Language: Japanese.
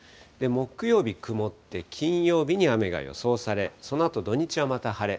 木曜日、雲って、金曜日に雨が予想され、そのあと土日はまた晴れ。